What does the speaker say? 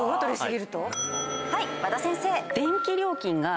はい和田先生。